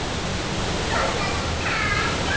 そんなのかんたん！